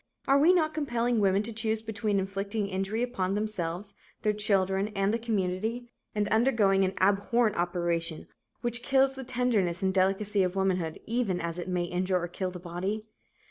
Are we not compelling women to choose between inflicting injury upon themselves, their children and the community, and undergoing an abhorrent operation which kills the tenderness and delicacy of womanhood, even as it may injure or kill the body?